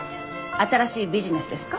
新しいビジネスですか？